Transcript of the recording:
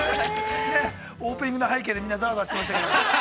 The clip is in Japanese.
オープニングの背景で、みんな、ざわざわしてましたけれども。